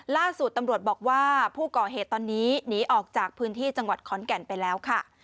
ล่าสุดตำรวจบอกว่าผู้ก่อเหตุตอนนี้หนีออกจากพื้นที่จังหวัดขอนแก่นไปแล้วค่ะ